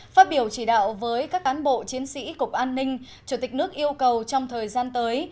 phát biểu chỉ đạo với các cán bộ chiến sĩ cục an ninh chủ tịch nước yêu cầu trong thời gian tới